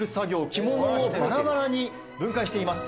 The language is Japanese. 着物をバラバラに分解しています。